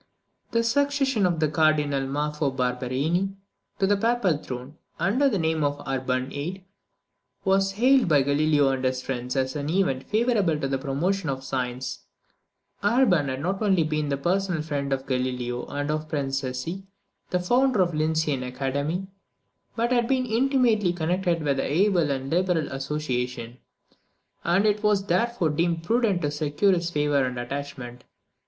_ The succession of the Cardinal Maffeo Barberini to the papal throne, under the name of Urban VIII., was hailed by Galileo and his friends as an event favourable to the promotion of science. Urban had not only been the personal friend of Galileo and of Prince Cesi, the founder of the Lyncæan Academy, but had been intimately connected with that able and liberal association; and it was therefore deemed prudent to secure his favour and attachment.